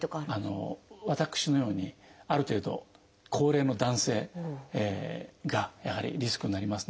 私のようにある程度高齢の男性がやはりリスクになりますので。